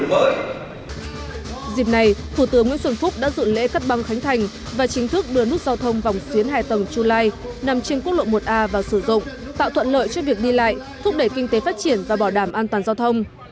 dịp này thủ tướng nguyễn xuân phúc đã dự lễ cắt băng khánh thành và chính thức đưa nút giao thông vòng xuyến hai tầng chu lai nằm trên quốc lộ một a vào sử dụng tạo thuận lợi cho việc đi lại thúc đẩy kinh tế phát triển và bảo đảm an toàn giao thông